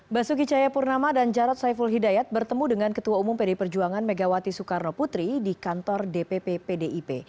basuki cahayapurnama dan jarod saiful hidayat bertemu dengan ketua umum pdi perjuangan megawati soekarno putri di kantor dpp pdip